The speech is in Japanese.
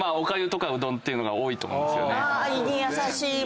胃に優しい物。